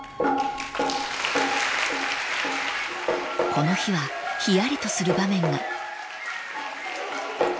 ［この日はひやりとする場面が］